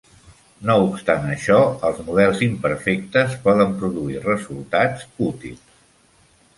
No obstant això, els models imperfectes poden produir resultats útils.